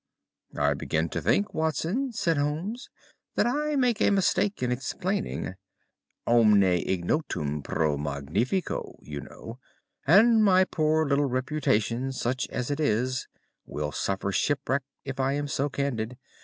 "I begin to think, Watson," said Holmes, "that I make a mistake in explaining. 'Omne ignotum pro magnifico,' you know, and my poor little reputation, such as it is, will suffer shipwreck if I am so candid.